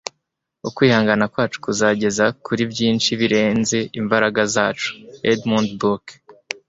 ukwihangana kwacu kuzagera kuri byinshi birenze imbaraga zacu. - edmund burke